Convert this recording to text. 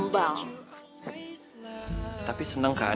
tapi dia masih selesai meletakkan